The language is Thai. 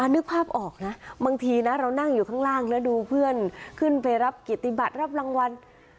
นึกภาพออกนะบางทีนะเรานั่งอยู่ข้างล่างแล้วดูเพื่อนขึ้นไปรับกิจบัตรรับรางวัล